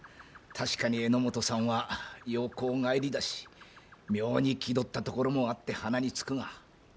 確かに榎本さんは洋行帰りだし妙に気取ったところもあって鼻につくが。